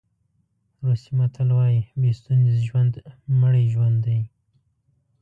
روسي متل وایي بې ستونزې ژوند مړی ژوند دی.